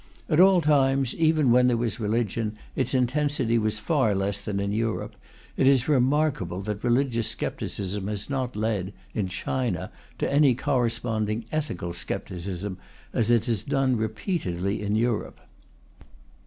At all times, even when there was religion, its intensity was far less than in Europe. It is remarkable that religious scepticism has not led, in China, to any corresponding ethical scepticism, as it has done repeatedly in Europe.